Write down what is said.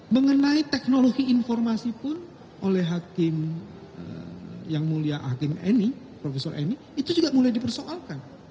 mengenai teknologi informasi pun oleh hakim yang mulia hakim eni profesor eni itu juga mulia dipersoalkan